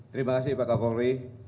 terima kasih pak kapolri